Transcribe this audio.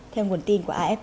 theo nguồn tin của afp